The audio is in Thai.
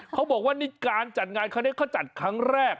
เขาบอกว่านิการจัดงานเขาเนี่ยเขาจัดครั้งแรก